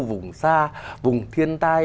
vùng xa vùng thiên tai